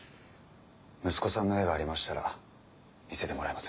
息子さんの絵がありましたら見せてもらえませんか？